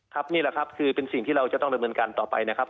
นี่แหละครับคือเป็นสิ่งที่เราจะต้องดำเนินการต่อไปนะครับ